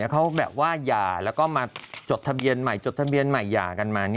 เขาแบบว่าหย่าแล้วก็มาจดทะเบียนใหม่จดทะเบียนใหม่หย่ากันมา